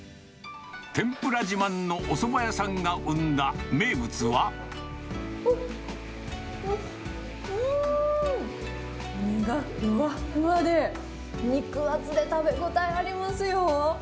天ぷら自慢のおそば屋さんがうーん、身がふわっふわで、肉厚で食べ応えありますよ。